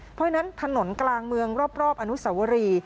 เพราะฉะนั้นถนนกลางเมืองรอบอนุสวรี